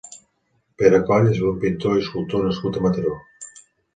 Perecoll és un pintor i escultor nascut a Mataró.